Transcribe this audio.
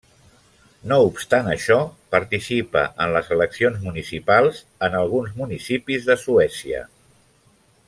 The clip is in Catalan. No obstant això, participa en les eleccions municipals en alguns municipis de Suècia.